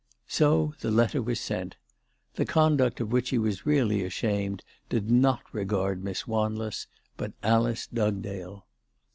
So the letter was sent. The conduct of which he was really ashamed did not regard Miss Wanless, but Alice Dugdale.